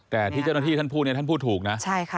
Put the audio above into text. แต่ที่เจ้าหน้าที่ท่านพูดนี่ท่านพูดถูกนะ